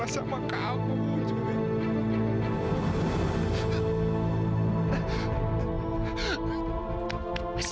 aduh bapak kan esok yang jantung lagi